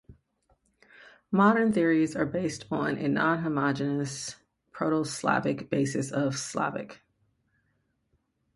Modern theories are based on a nonhomogeneous Proto-Slavic basis of Slovak.